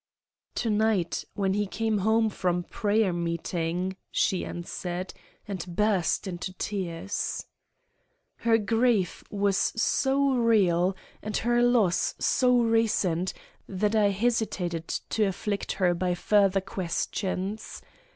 "To night, when he came home from prayer meeting," she answered, and burst into tears. Her grief was so real and her loss so recent that I hesitated to afflict her by further questions.